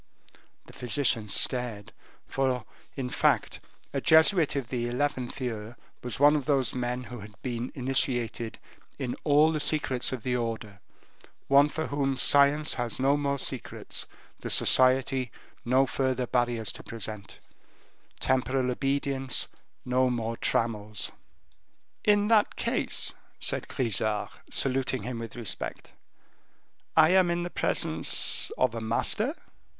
The physician started, for, in fact, a Jesuit of the eleventh year was one of those men who had been initiated in all the secrets of the order, one of those for whom science has no more secrets, the society no further barriers to present temporal obedience, no more trammels. "In that case," said Grisart, saluting him with respect, "I am in the presence of a master?"